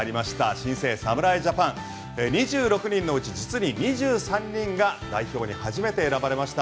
新生侍ジャパン２６人のうち実に２３人が代表に初めて選ばれました。